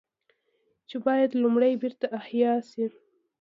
چې بايد لومړی بېرته احياء شي